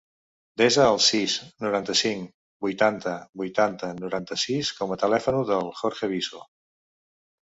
Desa el sis, noranta-cinc, vuitanta, vuitanta, noranta-sis com a telèfon del Jorge Viso.